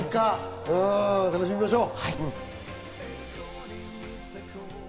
楽しみましょう。